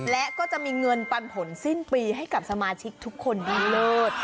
และก็จะมีเงินปันผลสิ้นปีให้กับสมาชิกทุกคนดีเลิศ